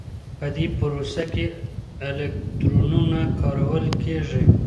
په دې پروسه کې الکترودونه کارول کېږي.